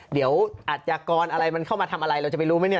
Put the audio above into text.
เดี๋ยวอาชญากรอะไรมันเข้ามาทำอะไรเราจะไปรู้ไหมเนี่ย